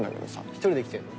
１人で来てるの？